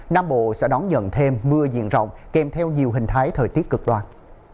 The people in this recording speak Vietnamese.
nam bộ sẽ đón nhận thêm mưa diện rộng kèm theo nhiều hình thái thời tiết cực đoan